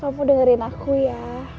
kamu dengerin aku ya